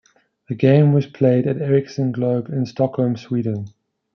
The game was played at the Ericsson Globe in Stockholm, Sweden.